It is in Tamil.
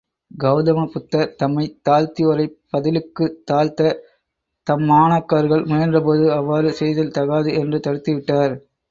கவுதமப் புத்தர், தம்மைத் தாழ்த்தியோரைப் பதிலுக்குத் தாழ்த்தத் தம்மாணாக்கர்கள் முயன்றபோது, அவ்வாறு செய்தல் தகாது என்று தடுத்துவிட்டார்.